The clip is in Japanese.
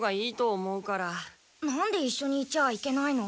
なんでいっしょにいちゃいけないの？